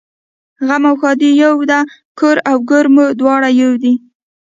غم او ښادي یوه ده کور او ګور مو دواړه یو دي